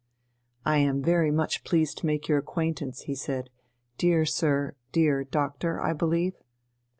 "I am very much pleased to make your acquaintance," he said, "dear sir ... dear Doctor, I believe?"